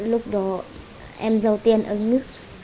lúc đó em giấu tiền ở nước